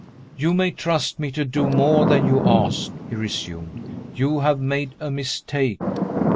"You may trust me to do more than you ask," he resumed. "You have made a mistake."